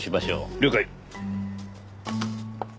了解。